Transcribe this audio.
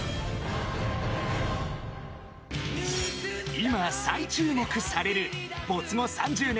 ［今再注目される没後３０年。